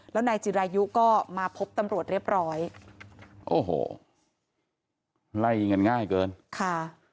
แล้วนายจิรายุก็มาพบตำรวจเรียบร้อยโอ้โหไล่กันง่ายเกินค่ะ